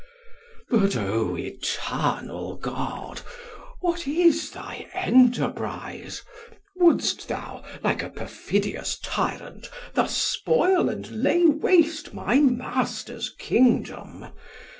But, O eternal God, what is thy enterprise? Wouldst thou, like a perfidious tyrant, thus spoil and lay waste my master's kingdom?